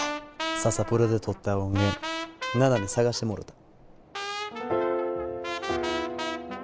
ササプロで録った音源奈々に探してもろた。